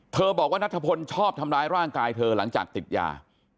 บอกว่านัทพลชอบทำร้ายร่างกายเธอหลังจากติดยา